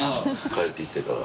帰ってきてから。